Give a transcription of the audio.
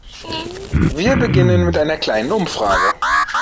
Wir beginnen mit einer kleinen Umfrage.